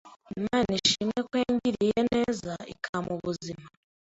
Imana ishimwe ko yangiriye neza ikampa ubuzima